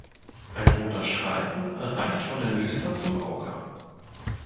Ein roter Streifen reicht von der Nüster zum Auge.